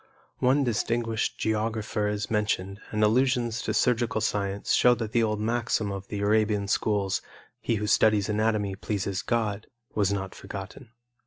One distinguished geographer is mentioned, and allusions to surgical science show that the old maxim of the Arabian schools, "He who studies anatomy pleases God," was not forgotten.